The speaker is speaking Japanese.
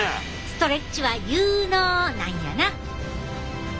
ストレッチは有ＮＯなんやな！